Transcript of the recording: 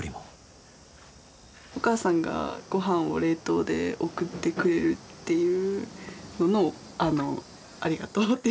お母さんが御飯を冷凍で送ってくれるっていうのの「ありがとう」っていう。